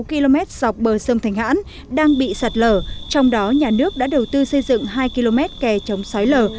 năm km dọc bờ sông thạch hán đang bị sạt lở trong đó nhà nước đã đầu tư xây dựng hai km kè chống xói lở